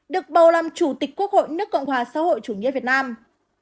được bầu làm chủ tịch quốc hội nước cộng hòa xã hội chủ nghĩa việt nam